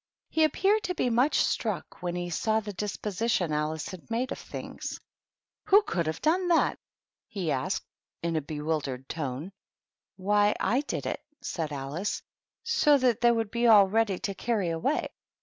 He appeared to be much struck when he saw the disposition Alice had made of the things. " Who could have done that ?" he asked, in a bewildered tone. " Why, / did it," said Alice, " so that they would be all ready to carry away."